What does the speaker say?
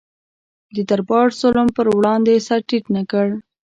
د دربار ظلم پر وړاندې سر ټیټ نه کړ.